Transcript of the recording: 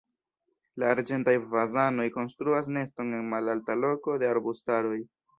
La arĝentaj fazanoj konstruas neston en malalta loko de arbustaroj.